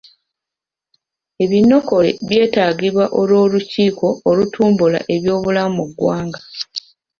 Ebinokole byetaagibwa olw'olukiiko olutumbula ebyobulamu mu ggwanga.